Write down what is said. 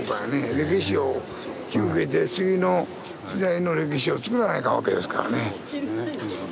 歴史を引き受けて次の時代の歴史をつくらないかんわけですからね。